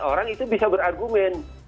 orang itu bisa berargumen